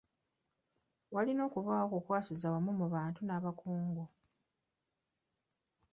Walina okubaawo okukwasiza awamu mu bantu n'abakungu.